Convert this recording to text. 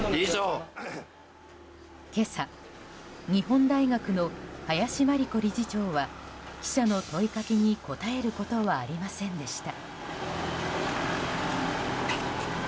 今朝、日本大学の林真理子理事長は記者の問いかけに答えることはありませんでした。